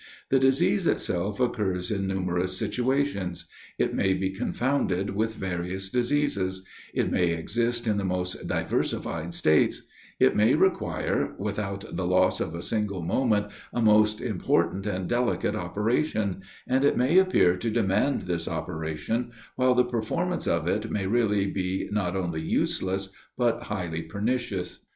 The disease itself occurs in numerous situations; it may be confounded with various diseases; it may exist in the most diversified states; it may require, without the loss of a single moment, a most important and delicate operation; and it may appear to demand this operation, while the performance of it may really be not only useless, but highly pernicious.